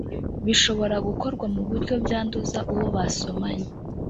bishobora gukorwa mu buryo byanduza uwo basomanye